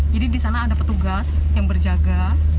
jadi di sana ada petugas yang berjaga